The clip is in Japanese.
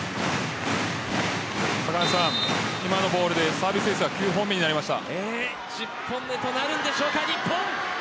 今のボールでサービスエースは９本目になりました。